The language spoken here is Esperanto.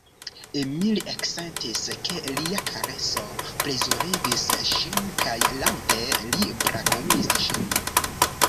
Emil eksentis, ke lia kareso plezurigis ŝin kaj lante li brakumis ŝin.